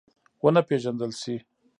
ونه پېژندل شي.